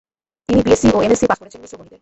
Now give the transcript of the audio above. তিনি বিএসসি ও এমএসসি পাশ করেছেন মিশ্র গণিতে।